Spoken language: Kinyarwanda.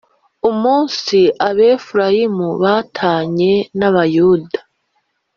umunsi Abefurayimu batanye nabayuda